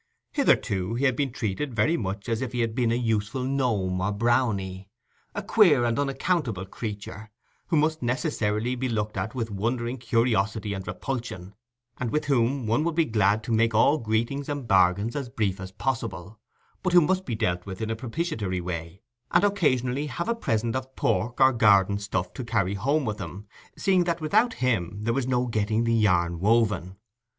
Hitherto he had been treated very much as if he had been a useful gnome or brownie—a queer and unaccountable creature, who must necessarily be looked at with wondering curiosity and repulsion, and with whom one would be glad to make all greetings and bargains as brief as possible, but who must be dealt with in a propitiatory way, and occasionally have a present of pork or garden stuff to carry home with him, seeing that without him there was no getting the yarn woven.